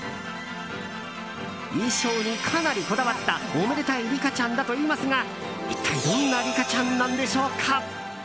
衣装にかなりこだわったおめでたいリカちゃんだといいますが一体どんなリカちゃんなんでしょうか。